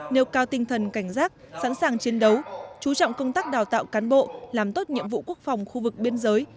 nêu cao tinh thần cảnh giác sẵn sàng chiến đấu chú trọng công tác đào tạo cán bộ làm tốt nhiệm vụ quốc phòng khu vực biên giới